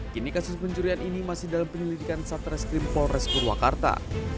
kini kasus pencurian ini masih dalam penyelidikan satreskrim polres purwakarta